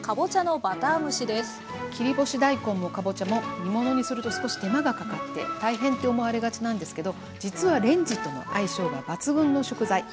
切り干し大根もかぼちゃも煮物にすると少し手間がかかって大変って思われがちなんですけど実はレンジとの相性が抜群の食材。